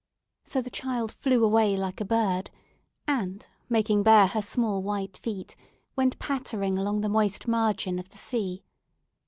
So the child flew away like a bird, and, making bare her small white feet went pattering along the moist margin of the sea.